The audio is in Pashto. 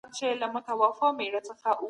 حکومت تیر کال نوی اقتصادي پلان منظور کړ.